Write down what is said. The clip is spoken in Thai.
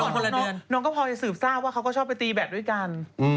น้องก็พอจะสืบทราบว่าเขาก็ชอบไปตีแบตด้วยกัน